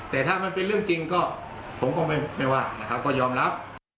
แต่ถ้ามันเป็นเรื่องจริงก็ผมก็ไม่ว่านะครับก็ยอมรับ